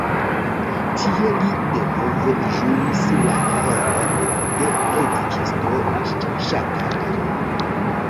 Tie li denove ĝuis la rolon de predikisto ŝatata.